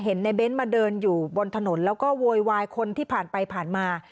เห็นในเบ้นมาเดินอยู่บนถนนแล้วก็โวยวายคนที่ผ่านไปผ่านมา